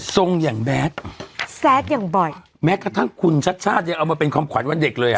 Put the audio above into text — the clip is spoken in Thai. อย่างแบดแซดอย่างบ่อยแม้กระทั่งคุณชัดชาติยังเอามาเป็นความขวัญวันเด็กเลยอ่ะ